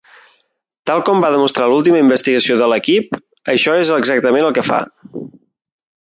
Tal com va demostrar l'última investigació de l'equip, això és exactament el que fa.